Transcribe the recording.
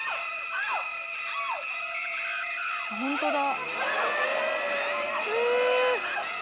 ホントだ。